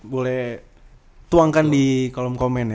boleh tuangkan di kolom komen ya